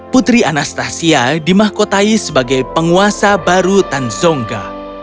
putri anastasia dimahkotai sebagai penguasa baru tanzonga